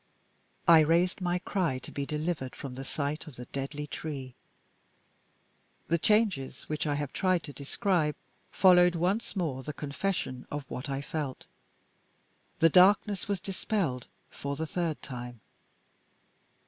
I raised my cry to be delivered from the sight of the deadly tree. The changes which I have tried to describe followed once more the confession of what I felt; the darkness was dispelled for the third time.